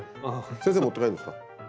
先生持って帰るんですか？